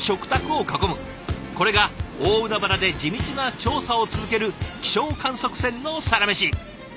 これが大海原で地道な調査を続ける気象観測船のサラメシ。